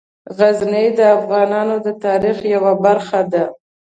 غزني د افغانانو د تاریخ یوه برخه ده.